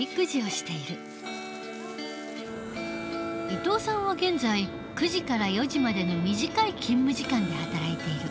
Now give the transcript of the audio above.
伊藤さんは現在９時から４時までの短い勤務時間で働いている。